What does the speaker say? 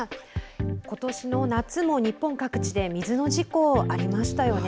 この夏、日本各地で水の事故がありましたね。